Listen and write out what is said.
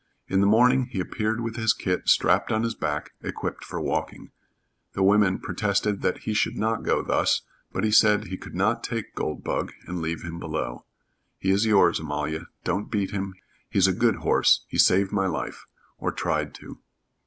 In the morning he appeared with his kit strapped on his back equipped for walking. The women protested that he should not go thus, but he said he could not take Goldbug and leave him below. "He is yours, Amalia. Don't beat him. He's a good horse he saved my life or tried to."